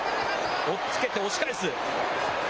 おっつけて押し返す。